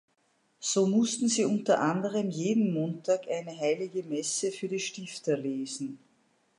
So mussten sie unter anderem jeden Montag eine Heilige Messe für die Stifter lesen.